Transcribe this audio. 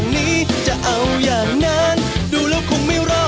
พี่นี่